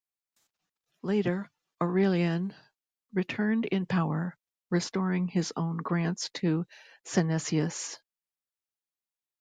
Later Aurelian returned in power, restoring his own grants to Synesius.